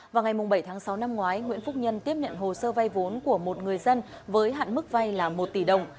vào ngày bảy tháng sáu năm ngoái nguyễn phúc nhân tiếp nhận hồ sơ vay vốn của một người dân với hạn mức vay là một tỷ đồng